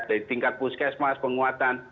dari tingkat puskesmas penguatan